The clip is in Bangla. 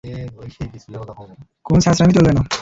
কোনো ছেঁচড়ামি চলবে না!